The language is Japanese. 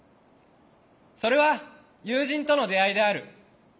それは友人との出会いである。